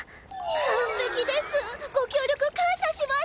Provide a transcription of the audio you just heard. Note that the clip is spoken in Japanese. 完璧です！ご協力感謝します！